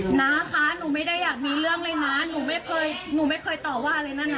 นาค่ะหนูไม่ได้อยากมีเรื่องเลยน้าหนูไม่เคยต่อว่าอะไรนะน่า